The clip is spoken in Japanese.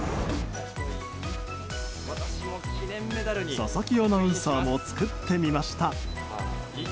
佐々木アナウンサーも作ってみました。